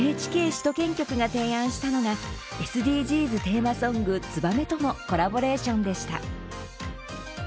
首都圏局が提案したのがＳＤＧｓテーマソング「ツバメ」とのコラボレーションでした。